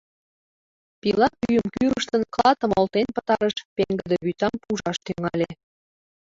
Пила пӱйым кӱрыштын, клатым олтен пытарыш, пеҥгыде вӱтам пужаш тӱҥале.